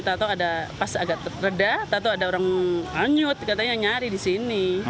kita tahu ada pas agak reda atau ada orang hanyut katanya nyari di sini